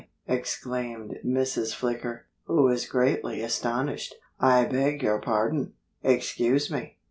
exclaimed Mrs. Flicker, who was greatly astonished. "I beg your pardon! Excuse me!